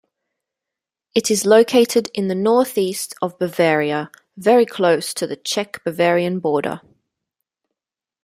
It is located in the northeast of Bavaria, very close to the Czech-Bavarian border.